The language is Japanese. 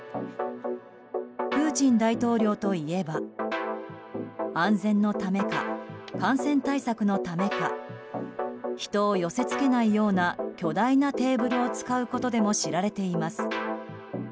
プーチン大統領といえば安全のためか、感染対策のためか人を寄せ付けないような巨大なテーブルを使うことでも知られています。